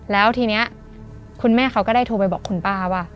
แล้วทีนี้คุณแม่เขาก็ได้โทรไปบอกคุณป้าว่า